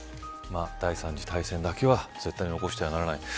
第３次大戦だけは絶対に起こしてはならない。